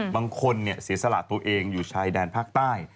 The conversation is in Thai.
บางคนเสียสละตัวเองอยู่ชายแดนภาคใต้